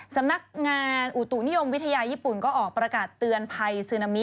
สำนักงานอุตุนิยมวิทยาญี่ปุ่นก็ออกประกาศเตือนภัยซึนามิ